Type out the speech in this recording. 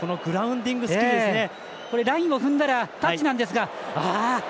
ラインを踏んだらタッチなんですが。